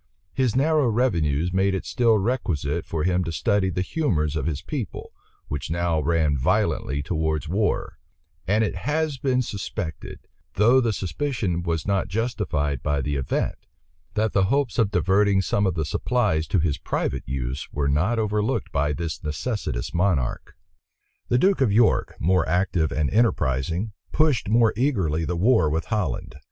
His narrow revenues made it still requisite for him to study the humors of his people, which now ran violently towards war; and it has been suspected, though the suspicion was not justified by the event, that the hopes of diverting some of the supplies to his private use were not overlooked by this necessitous monarch. The duke of York, more active and enterprising, pushed more eagerly the war with Holland.